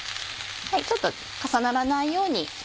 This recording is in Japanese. ちょっと重ならないように。